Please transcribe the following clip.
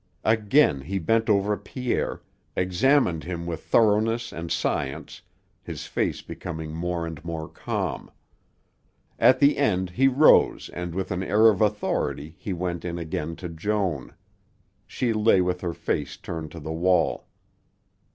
Again he bent over Pierre, examined him with thoroughness and science, his face becoming more and more calm. At the end he rose and with an air of authority he went in again to Joan. She lay with her face turned to the wall.